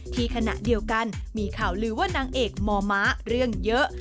ขณะเดียวกันมีข่าวลือว่านางเอกม้าเรื่องเยอะ